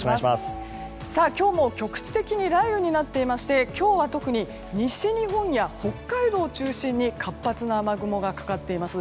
今日も局地的に雷雨になっていまして今日は特に西日本や北海道を中心に活発な雨雲がかかっています。